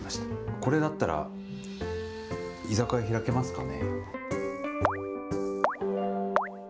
これだったら、居酒屋開けますかね？